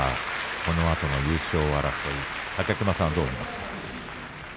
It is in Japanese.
このあとの優勝争い武隈さんはどう見ますか。